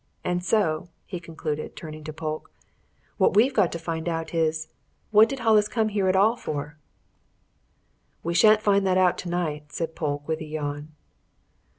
And so," he concluded, turning to Polke, "what we've got to find out is what did Hollis come here at all for?" "We shan't find that out tonight," said Polke, with a yawn.